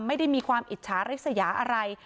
ไม่ได้มีความอิจฉาริสยาอะไร